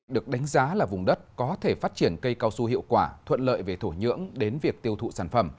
được đánh giá là vùng đất có thể phát triển cây cao su hiệu quả thuận lợi về thổ nhưỡng đến việc tiêu thụ sản phẩm